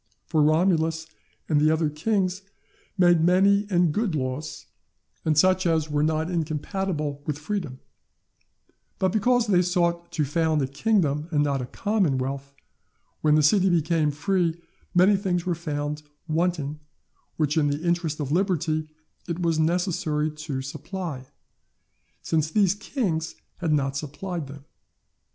For Romulus and the other kings made many and good laws, and such as were not incompatible with freedom; but because they sought to found a kingdom and not a commonwealth, when the city became free many things were found wanting which in the interest of liberty it was necessary to supply, since these kings had not supplied them.